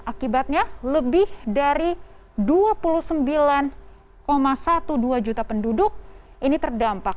akibatnya lebih dari dua puluh sembilan dua belas juta penduduk ini terdampak